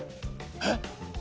えっ！？